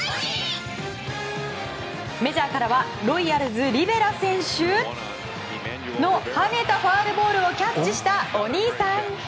メジャーからはロイヤルズ、リベラ選手の跳ねたファウルボールをキャッチしたお兄さん。